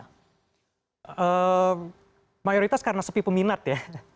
nah mayoritas karena sepi peminat ya